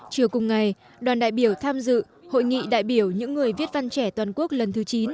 chiều cùng ngày đoàn đại biểu tham dự hội nghị đại biểu những người viết văn trẻ toàn quốc lần thứ chín